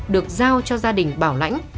được giao cho gia đình bảo lãnh